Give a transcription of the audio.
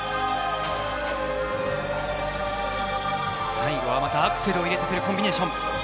最後はアクセルを入れるコンビネーション。